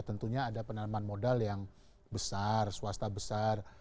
tentunya ada penanaman modal yang besar swasta besar